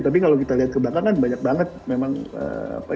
tapi kalau kita lihat ke belakang kan banyak banget memang apa